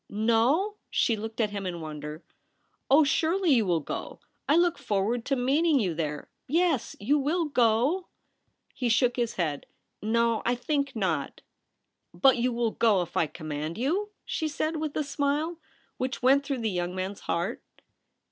' No !' she looked at him in wonder. * Oh, surely you W\\\ go ! I look forward to meet ing you there. Yes ; you will go T He shook his head. ' No ; I think not.' ' But you wull go if I command you ?' she said, with a smile which went through the young man's heart.